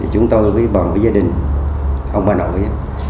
chúng tôi với bọn gia đình ông bà nội